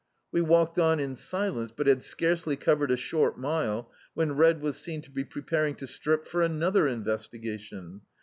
We walked on in silence, but had scarcely covered a short mile, when Red was seen to be preparing to strip for another in vestigation.